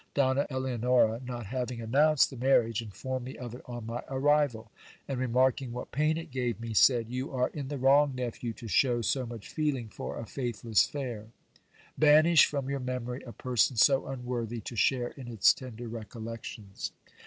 Donna Eleonora, not having announced the marriage, informed me of it on my arrival ; and remarking what pain it gave me, said : You are in the wrong, nephew, to shew so much feeling for a faith less fair. Banish from your memory a person so unworthy to share in its tender recollections.